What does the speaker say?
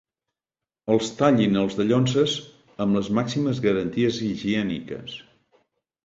Els tallin els dallonses amb les màximes garanties higièniques.